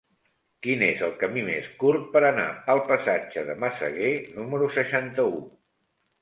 Quin és el camí més curt per anar al passatge de Massaguer número seixanta-u?